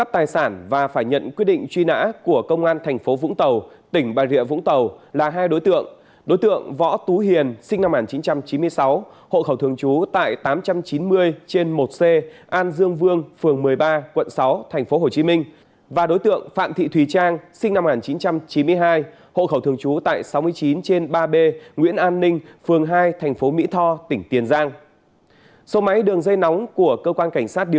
thưa quý vị và các bạn công an huyện xuyên mộc tỉnh bà rịa vũng tàu đã ra quyết định truy nã đối với đối tượng trần thanh hùng sinh năm một nghìn chín trăm chín mươi sáu hộ khẩu thường chú tại ấp thạnh sơn bốn xã phước tân huyện xuyên mộc tỉnh bà rịa vũng tàu về tội trộm cắt tài sản